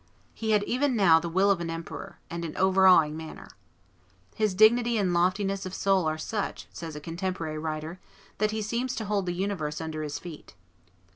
He had even now the will of an emperor and an overawing manner. 'His dignity and loftiness of soul are such,' says a contemporary writer, 'that he seems to hold the universe under his feet.